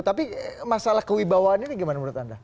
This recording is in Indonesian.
tapi masalah kewibawaan ini gimana menurut anda